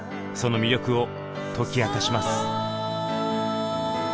その魅力を解き明かします。